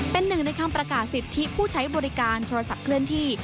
เป็นหนึ่งในคำประกาศสิทธิผู้ใช้บริการโทรศัพท์เคลื่อนที่